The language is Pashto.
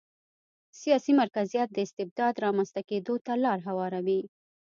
سیاسي مرکزیت د استبداد رامنځته کېدو ته لار هواروي.